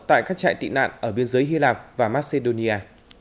tại các trại tị nạn ở biên giới hy lạp và macedonia